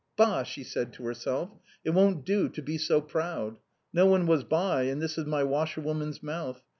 " Bah !" said she to herself ;" it won't do to be so proud, ISTo one was by, and this is my washerwoman's month.